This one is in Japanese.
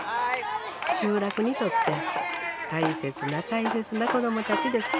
集落にとって大切な大切な子供たちです。